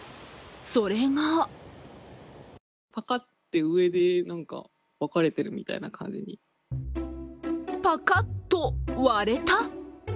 それがパカッと割れた？